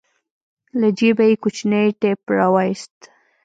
له جيبه يې کوچنى ټېپ راوايست.